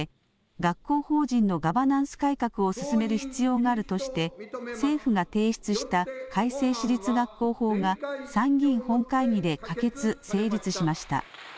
学校法人のガバナンス改革を進める必要があるとして政府が提出した改正私立学校法が参議院本会議で可決・成立しました。